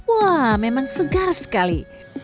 wah memang segar sekali